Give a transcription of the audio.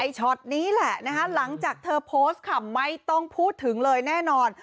ช็อตนี้แหละนะคะหลังจากเธอโพสต์ค่ะไม่ต้องพูดถึงเลยแน่นอน